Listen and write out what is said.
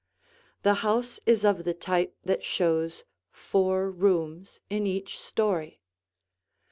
The house is of the type that shows four rooms in each story.